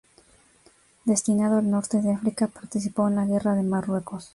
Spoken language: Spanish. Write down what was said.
Destinado al Norte de África, participó en la Guerra de Marruecos.